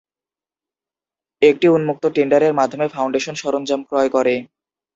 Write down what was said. একটি উন্মুক্ত টেন্ডারের মাধ্যমে ফাউন্ডেশন সরঞ্জাম ক্রয় করে।